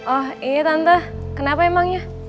oh iya tante kenapa emangnya